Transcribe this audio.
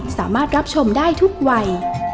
สามารถรับชมได้ทุกวัย